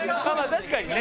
確かにね。